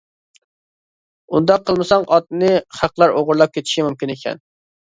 ئۇنداق قىلمىساڭ ئاتنى خەقلەر ئوغرىلاپ كېتىشى مۇمكىن ئىكەن.